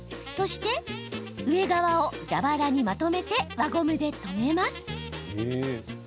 そして、上側を蛇腹にまとめて輪ゴムで留めます。